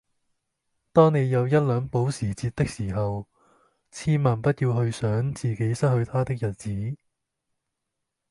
當你有一輛保時捷的時候，千萬不要去想自己失去它的日子